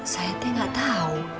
saya teh gak tau